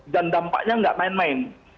dan dampaknya nggak main main